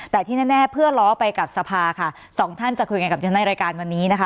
แต่ที่แน่เพื่อล้อไปกับสภาค่ะสองท่านจะคุยกันกับฉันในรายการวันนี้นะคะ